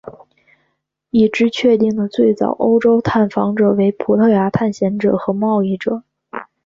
已知确定的最早欧洲探访者为葡萄牙探险者和贸易者。